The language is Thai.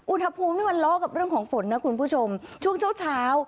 อุณหภูมินี่มันล้อกับเรื่องของฝนนะคุณผู้ชมช่วงเช้าเช้า